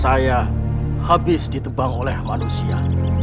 saya habis ditebang oleh manusia